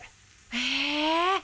へえ！